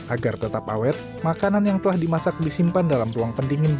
agar tetap awet makanan yang telah dimasak disimpan akan dikirim ke penerbangan yang lainnya